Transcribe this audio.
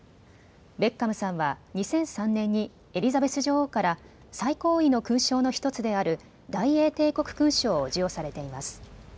ベッカムさんは２００３年にエリザベス女王から最高位の勲章の１つである大英帝国勲章を授与されています。